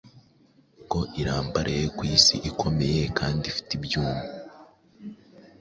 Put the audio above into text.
Ko irambaraye ku isiikomeye kandi ifite ibyuma